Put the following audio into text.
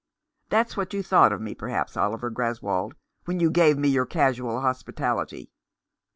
That's what you thought of me, perhaps, Oliver Greswold, when you gave me your casual hospitality.